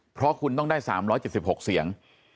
เพราะคุณต้องได้๓๗๖เสียง